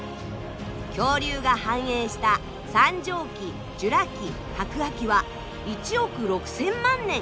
恐竜が繁栄した三畳紀ジュラ紀白亜紀は１億６，０００万年。